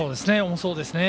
重そうですね。